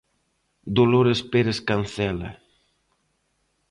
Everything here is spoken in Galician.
Dolores Pérez Cancela.